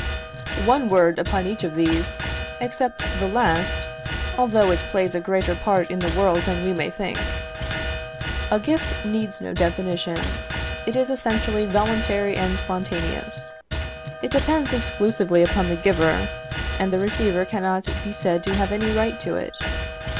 One word upon each of these, except the last, although it plays a greater part in the world than we may think. A gift needs no definition. It is essentially voluntary and spontaneous. It depends exclusively upon the giver, and the receiver cannot be said to have any right to it.